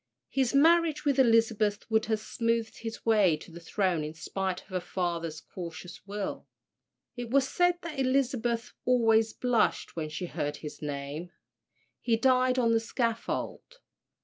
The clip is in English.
His marriage with Elizabeth would have smoothed his way to the throne in spite of her father's cautious will. It was said that Elizabeth always blushed when she heard his name. He died on the scaffold.